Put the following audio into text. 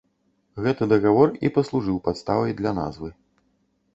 Гэты дагавор і паслужыў падставай для назвы.